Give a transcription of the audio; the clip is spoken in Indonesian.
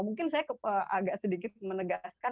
mungkin saya agak sedikit menegaskan